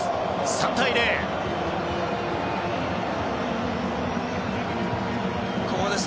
３対０です。